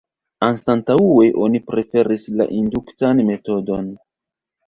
Anstataŭe oni preferis la induktan metodon.